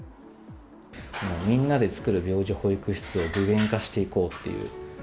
みんなで作る病児保育室を具現化していこうっていう。